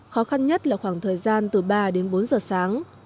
khó khăn nhất là khoảng thời gian từ ba đến bốn giờ sáng